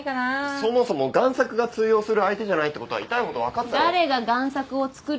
そもそも贋作が通用する相手じゃないってことは痛いほど分かったろ。